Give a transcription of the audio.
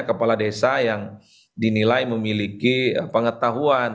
kepala desa yang dinilai memiliki pengetahuan